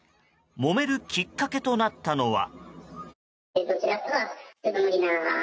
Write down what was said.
もめるきっかけとなったのは。